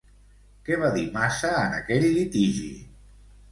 Què va dir Maza en aquell litigi?